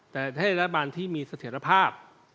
แต่ให้รัฐบาลที่มีเสถียรภาพ